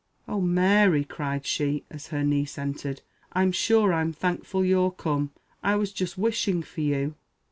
"Oh, Mary!" cried she, as her niece entered, "I'm sure I'm thankful you're come. I was just wishing for you.